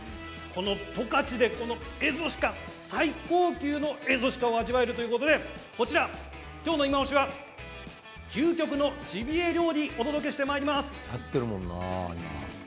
十勝でエゾシカ最高級のエゾシカを味わえるということで今日の、いまオシは究極のジビエ料理をお届けしてまいります。